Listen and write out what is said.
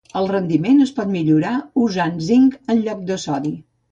El rendiment es pot millorar usant zinc en lloc de sodi.